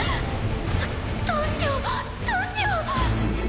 どどうしようどうしよう。